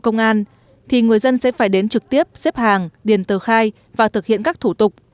vụ công bộ công an thì người dân sẽ phải đến trực tiếp xếp hàng điền tờ khai và thực hiện các thủ tục